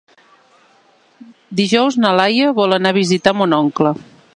Dijous na Laia vol anar a visitar mon oncle.